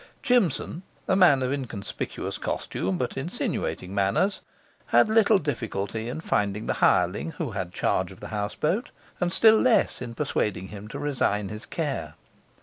Jimson, a man of inconspicuous costume, but insinuating manners, had little difficulty in finding the hireling who had charge of the houseboat, and still less in persuading him to resign his care.